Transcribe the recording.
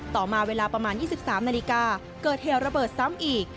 ต่อมาเวลาประมาณ๒๓นาฬิกาเกิดเหตุระเบิดซ้ำอีก